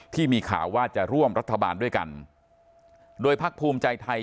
ที่มีข่าวว่าจะร่วมรัฐบาลด้วยกันโดยพักภูมิใจไทย